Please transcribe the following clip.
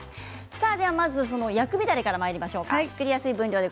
では、まず薬味だれからまいりましょう。